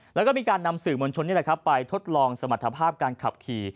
และก็มีการนำสื่อโมชุนนี่เลยแหละไปทดลองสมรรถภาพการขับขี่